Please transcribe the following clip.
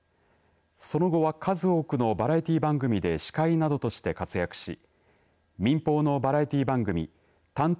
その後は数多くのバラエティー番組で司会などとして活躍し民放のバラエティー番組探偵！